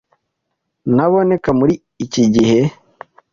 Ntaboneka muri iki gihe.